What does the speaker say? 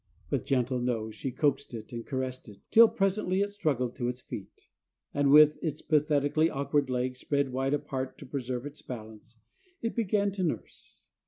With gentle nose she coaxed it and caressed it, till presently it struggled to its feet, and, with its pathetically awkward legs spread wide apart to preserve its balance, it began to nurse.